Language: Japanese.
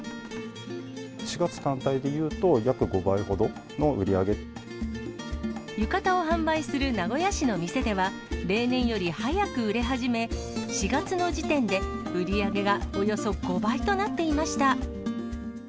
４月単体でいうと、約５倍ほ浴衣を販売する名古屋市の店では、例年より早く売れ始め、４月の時点で売り上げがおよそ５倍となっていました。